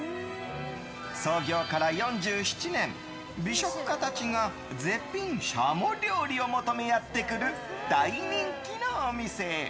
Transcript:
創業から４７年美食家たちが絶品シャモ料理を求めやってくる大人気のお店。